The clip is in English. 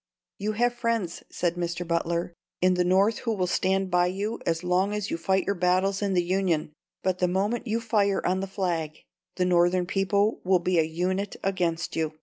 "You have friends," said Butler, "in the North who will stand by you as long as you fight your battles in the Union; but the moment you fire on the flag, the Northern people will be a unit against you.